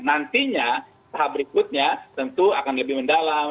nantinya tahap berikutnya tentu akan lebih mendalam